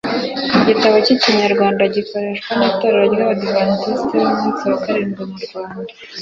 igitabo cy'ikinyarwanda gikoreshwa n'itorero ry'abadiventiste b'umunsi wa karindwi mu rwanda